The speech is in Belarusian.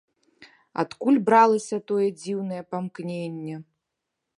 Адкуль бралася тое дзіўнае памкненне?